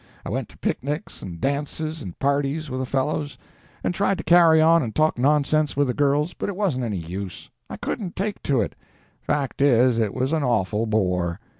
I went to picnics and dances and parties with the fellows, and tried to carry on and talk nonsense with the girls, but it wasn't any use; I couldn't take to it—fact is, it was an awful bore.